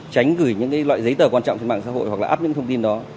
tránh gửi những loại giấy tờ quan trọng trên mạng xã hội hoặc là áp những thông tin đó